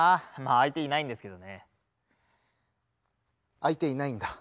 相手いないんだ。